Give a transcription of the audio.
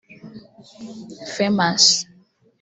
Famous